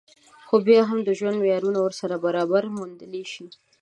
خو بيا هم د ژوند معيارونه ورسره برابري موندلی شي